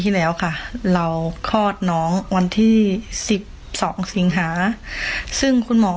ที่แล้วค่ะเราคอดน้องวันที่สิบสองสิงหาซึ่งคุณหมอ